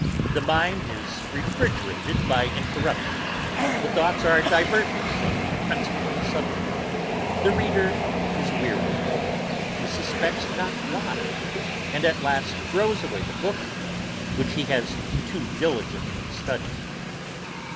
The mind is refrigerated by interruption; the thoughts are diverted from the principal subject; the reader is weary, he suspects not why; and at last throws away the book, which he has too diligently studied.